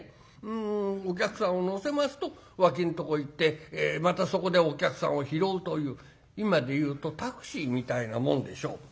お客さんを乗せますと脇んとこへ行ってまたそこでお客さんを拾うという今で言うとタクシーみたいなもんでしょう。